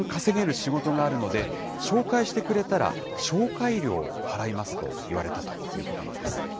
仕事があるので、紹介してくれたら、紹介料を払いますと言われたということなんです。